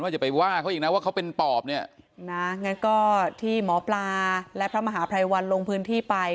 จะไปว่าเขาอีกนะว่าเขาเป็นปอบเนี่ยนะงั้นก็ที่หมอปลาและพระมหาภัยวันลงพื้นที่ไป